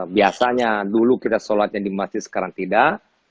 biasanya dulu kita sholatnya di masjid sekarang tidak